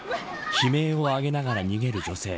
悲鳴を上げながら逃げる女性。